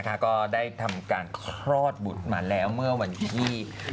ก็ได้ทำการคลอดบุตรมาแล้วเมื่อวันที่